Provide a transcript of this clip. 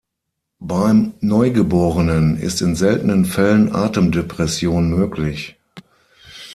Beim Neugeborenen ist in seltenen Fällen Atemdepression möglich.